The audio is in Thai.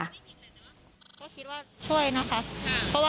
อาจจะแบบ